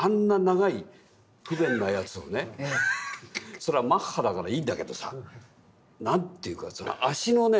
そりゃマッハだからいいんだけどさ何ていうか脚のね